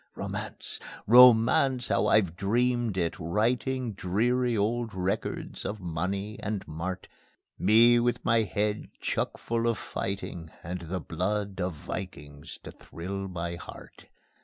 Romance! Romance! How I've dreamed it, writing Dreary old records of money and mart, Me with my head chuckful of fighting And the blood of vikings to thrill my heart.